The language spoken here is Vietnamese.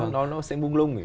nó sẽ bung lung